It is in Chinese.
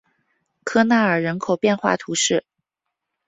利纳尔人口变化图示